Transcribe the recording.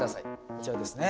こちらですね。